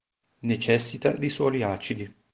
Necessita di suoli acidi.